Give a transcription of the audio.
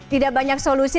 tidak banyak solusi